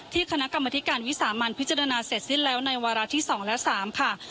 คณะกรรมธิการวิสามันพิจารณาเสร็จสิ้นแล้วในวาระที่๒และ๓ค่ะ